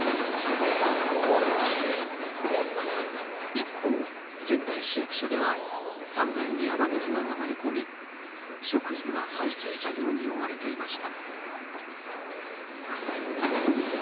一方、仙台市役所では３階に雨水が流れ込み職員が排水作業に追われていました。